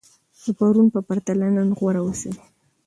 د پرون په پرتله نن غوره اوسئ.